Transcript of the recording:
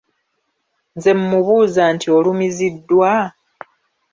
Ne mmubuuza nti olumiziddwa?